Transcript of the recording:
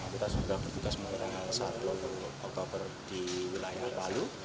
kita sudah bertugas melayani satwa satwa di wilayah palu